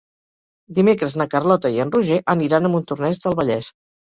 Dimecres na Carlota i en Roger aniran a Montornès del Vallès.